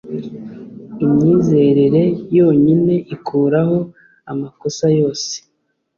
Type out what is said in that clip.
imyizerere yonyine ikuraho amakosa yose